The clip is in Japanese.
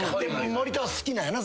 森田は好きなんやな？